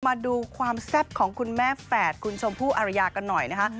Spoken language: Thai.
มาดูความแซ่บของคุณแม่แฝดคุณชมพู่อารยากันหน่อยนะคะ